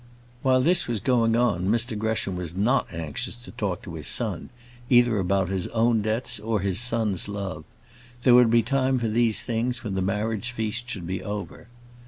While this was going on, Mr Gresham was not anxious to talk to his son, either about his own debts or his son's love. There would be time for these things when the marriage feast should be over.